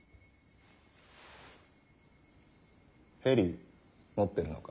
ヘリ持ってるのか？